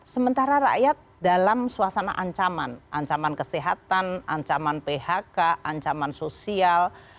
sementara rakyat dalam suasana ancaman ancaman kesehatan ancaman phk ancaman sosial